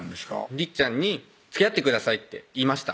りっちゃんに「つきあってください」って言いました